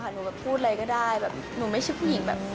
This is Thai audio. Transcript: หนูแบบพูดอะไรก็ได้แบบหนูไม่ใช่ผู้หญิงแบบ